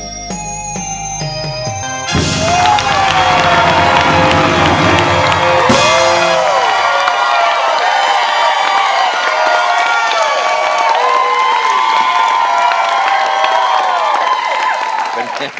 เธอไม่ต้องสนใจที่ทั่วก่อน